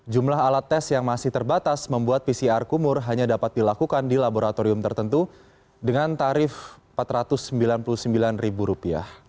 jumlah alat tes yang masih terbatas membuat pcr kumur hanya dapat dilakukan di laboratorium tertentu dengan tarif rp empat ratus sembilan puluh sembilan